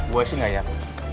gue sih gak yakin